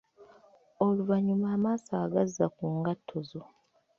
Oluvannyuma amaaso agazza ku ngatto zo.